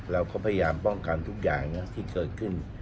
เราก็พยายามป้องกันทุกอย่างนะที่เกิดขึ้น